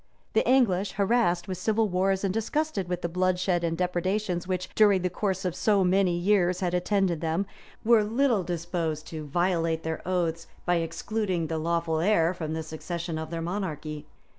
The English, harassed with civil wars, and disgusted with the bloodshed and depredations which, during the course of so many years, had attended them were little disposed to violate their oaths, by excluding the lawful heir from the succession of their monarchy.